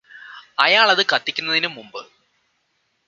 അയാളത് കത്തിക്കുന്നതിനും മുമ്പ്